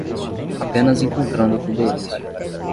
Apenas encontrando turbulência